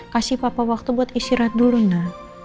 kasih papa waktu buat istirahat dulu nak